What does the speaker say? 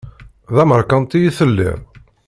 D amerkanti i telliḍ?